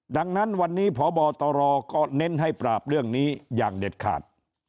ดังนั้นวันนี้พบตรก็เน้นให้ปราบเรื่องนี้อย่างเด็ดขาด